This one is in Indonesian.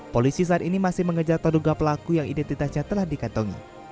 polisi saat ini masih mengejar terduga pelaku yang identitasnya telah dikantongi